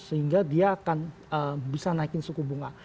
sehingga dia akan bisa naikin suku bunga